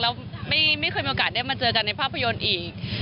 แล้วไม่เคยมีโอกาสได้มาเจอกันในภาพยนตร์อีก